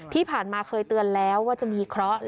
ที่ผ่านมาเคยเตือนแล้วว่าจะมีเคราะห์